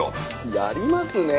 やりますねえ！